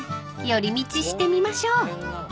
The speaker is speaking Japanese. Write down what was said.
寄り道してみましょう］